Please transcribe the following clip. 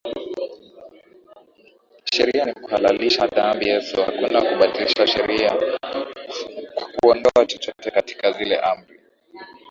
sheria ni kuhalalisha dhambi Yesu hakuja kubadili sheria ama kuondoa chochote katika zile Amri